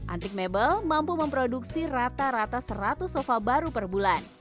antik mebel mampu memproduksi rata rata seratus sofa baru per bulan